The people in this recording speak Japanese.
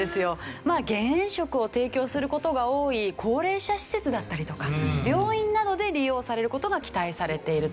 まあ減塩食を提供する事が多い高齢者施設だったりとか病院などで利用される事が期待されていると。